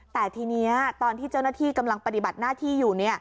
แต่ทีนี้ตอนที่เจ้าหน้าที่กำลังปฏิบัติหน้าที่อยู่